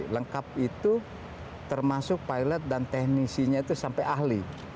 lengkap itu termasuk pilot dan teknisinya itu sampai ahli